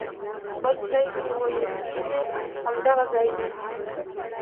بل ځای چې ویل کېږي همدغه ځای دی.